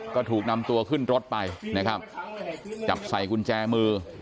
ก็ถูกนำตัวขึ้นรถไปนะครับจับใส่กุญแจมือ